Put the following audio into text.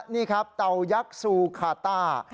นี่ครับเต่ายักษ์ซูคาต้า